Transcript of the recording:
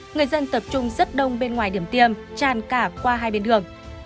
người dân tập trung rất đông bên ngoài điểm tiêm tràn cả qua hai bên đường